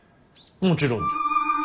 もちろん。